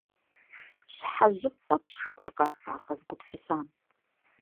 ЩхьэжьыфӀ фӀэтщ, жыпӀэркъэ ар къэзыгупсысам!